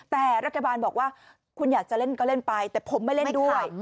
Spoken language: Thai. แต่รัฐบาลบอกว่าคุณอยากจะเล่นก็เล่นไปแต่ผมไม่เล่นด้วย